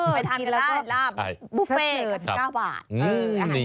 ไปทานกันได้ลาบบุฟเฟ่กับ๑๙บาท